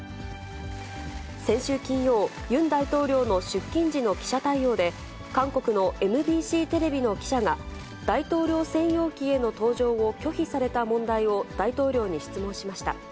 先週金曜、ユン大統領の出勤時の記者対応で、韓国のＭＢＣテレビの記者が、大統領専用機への搭乗を拒否された問題を大統領に質問しました。